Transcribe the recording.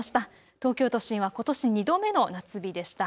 東京都心はことし２度目の夏日でした。